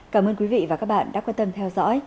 cảm ơn quý vị và các bạn đã quan tâm theo dõi